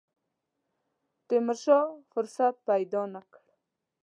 تیمورشاه فرصت پیدا نه کړ.